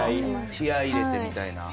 気合入れてみたいな？